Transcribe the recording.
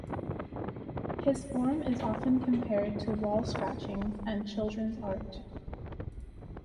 His form is often compared to wall scratchings and children's art.